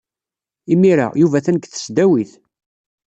Imir-a, Yuba atan deg tesdawit.